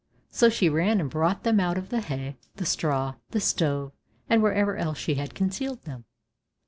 So she ran and brought them out of the hay, the straw, the stove, and wherever else she had concealed them.